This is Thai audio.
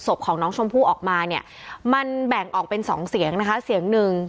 ของน้องชมพู่ออกมาเนี่ยมันแบ่งออกเป็นสองเสียงนะคะเสียงหนึ่ง